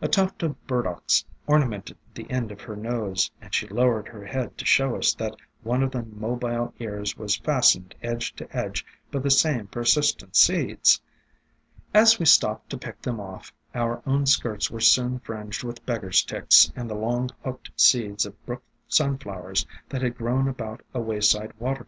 A tuft of Burdocks ornamented the end of her nose, and she lowered her head to show us that one of the mobile ears was fastened edge to edge by the same persistent seeds. As we stopped to pick them off, our own skirts were soon fringed with Beggar's Ticks and the long hooked seeds of Brook Sunflowers that had grown about a wayside water